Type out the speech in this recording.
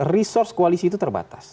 resource koalisi itu terbatas